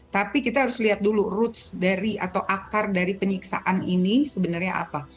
tapi kita harus lihat dulu roots dari atau akar dari penyiksaan ini sebenarnya apa